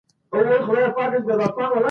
دفاع وزارت وارداتي تعرفه نه زیاتوي.